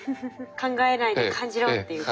「考えないで感じろ」っていうことで。